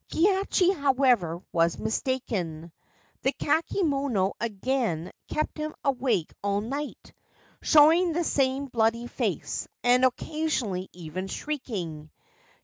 Kihachi, however, was mistaken. The kakemono again 300 The Memorial Cherry Tree kept him awake all night, showing the same bloody face, and occasionally even shrieking.